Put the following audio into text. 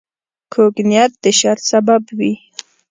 کوږ نیت د شر سبب وي